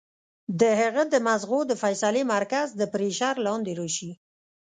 د هغه د مزغو د فېصلې مرکز د پرېشر لاندې راشي